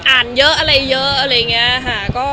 อ่านเยอะอะไรเยอะอะไรอย่างนี้ค่ะ